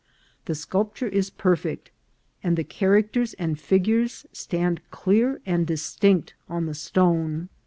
The sculpture is perfect, and the characters and figures stand clear and distinct on the stone.